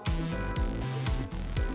pembelian snack di bioskop